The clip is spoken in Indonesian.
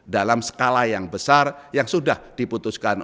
dalam skala yang besar yang sudah diputuskan